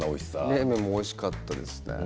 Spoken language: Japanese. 冷麺もおいしかったですね